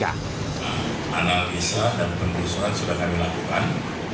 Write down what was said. analisa dan penelusuran sudah kami lakukan